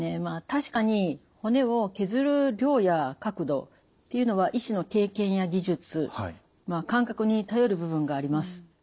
確かに骨を削る量や角度っていうのは医師の経験や技術感覚に頼る部分があります。